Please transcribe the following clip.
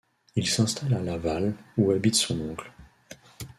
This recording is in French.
Il s'installe à Laval, où habite son oncle.